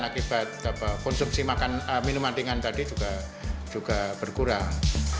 akibat konsumsi minuman ringan tadi juga berkurang